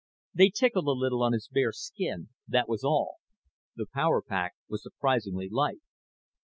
They tickled a little on his bare skin, that was all. The power pack was surprisingly light.